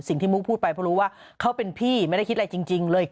มุกพูดไปเพราะรู้ว่าเขาเป็นพี่ไม่ได้คิดอะไรจริงเลย